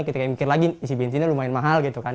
kita kayak mikir lagi isi bensinnya lumayan mahal gitu kan